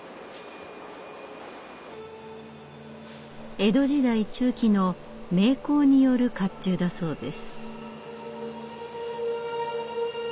江戸時代中期の名工による甲冑だそうです。